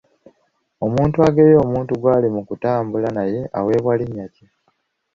Omuntu ageya omuntu gwali mu kutambula naye aweebwa linnya ki?